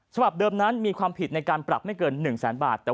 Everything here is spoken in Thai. ฉบับเดิมนั้นมีความผิดในการปรับไม่เกิน๑แสนบาท